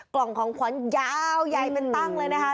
กล่องของขวัญยาวใหญ่เป็นตั้งเลยนะคะ